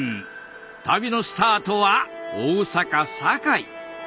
旅のスタートは大阪・堺。